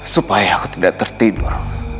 supaya aku tidak tertidur